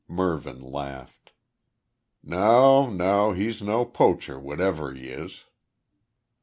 Mervyn laughed. "No no. He's no poacher whatever he is?"